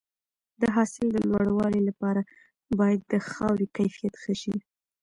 د حاصل د لوړوالي لپاره باید د خاورې کیفیت ښه شي.